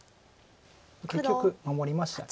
結局守りました。